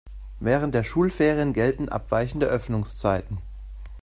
Während der Schulferien gelten abweichende Öffnungszeiten.